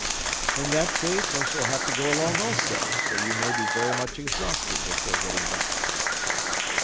"In that case I shall have to go along also, for you may be very much exhausted before getting back."